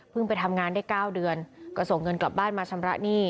ไปทำงานได้๙เดือนก็ส่งเงินกลับบ้านมาชำระหนี้